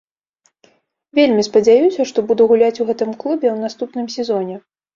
Вельмі спадзяюся, што буду гуляць у гэтым клубе ў наступным сезоне.